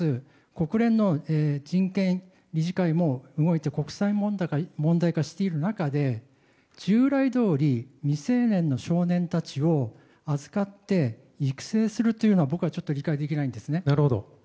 国連の人権理事会も動いて国際問題化している中で従来どおり未成年の少年たちを預かって育成するというのは僕は理解できないんですね。